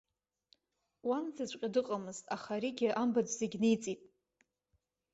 Уанӡаҵәҟьа дыҟамызт, аха аригьы амбатә зегьы ниҵит.